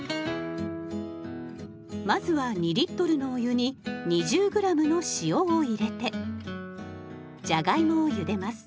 まずは２のお湯に２０ｇの塩を入れてじゃがいもをゆでます。